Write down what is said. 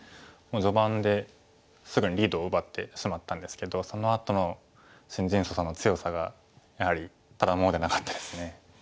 序盤ですぐにリードを奪ってしまったんですけどそのあとのシン・ジンソさんの強さがやはりただ者ではなかったですね。